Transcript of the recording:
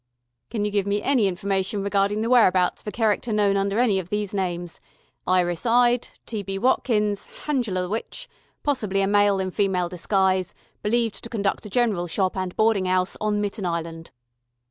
"Can you give me any information regarding the whereabouts of a cherecter known under any of these names: Iris 'Yde, T.B. Watkins, Hangela the Witch, possibly a male in female disguise, believed to conduct a general shop and boardin' 'ouse on Mitten Island?"